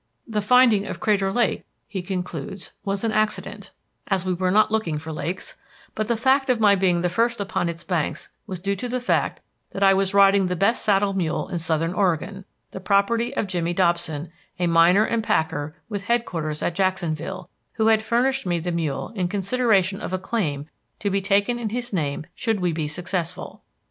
"The finding of Crater Lake," he concludes, "was an accident, as we were not looking for lakes; but the fact of my being the first upon its banks was due to the fact that I was riding the best saddle mule in southern Oregon, the property of Jimmy Dobson, a miner and packer with headquarters at Jacksonville, who had furnished me the mule in consideration of a claim to be taken in his name should we be successful.